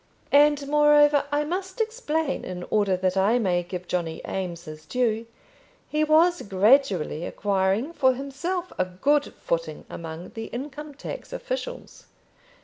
And, moreover, I must explain, in order that I may give Johnny Eames his due, he was gradually acquiring for himself a good footing among the Income tax officials.